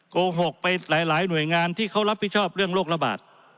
โกหกไปหลายหน่วยงานที่เขารับผิดชอบเรื่องโรคระบาด